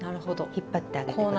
引っ張ってあげて下さい。